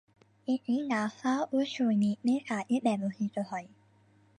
এটি নাসা ও সৈনিকদের কাজে ব্যবহৃত হত।